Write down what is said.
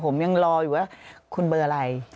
ผมยังรออยู่ว่าคุณเบอร์อะไร